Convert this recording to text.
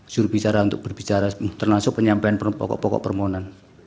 jurubicara untuk berbicara termasuk penyampaian pokok pokok permohonan